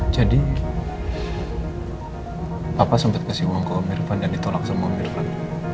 jadi papa sempet kasih uang ke om irfan dan ditolak sama om irfan